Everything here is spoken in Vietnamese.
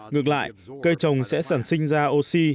ngược lại cây trồng sẽ sản sinh ra oxy